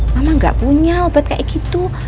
mama gak punya obat kayak gitu